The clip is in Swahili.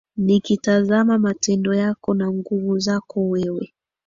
Nikitazama matendo yako na nguvu zako wewe